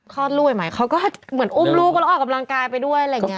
ครอบครอบคร่อนไหมเขาก็เหมือนอุ้บลูกมาลอกอกกำลังกายไปด้วยอะไรอย่างเงี้ย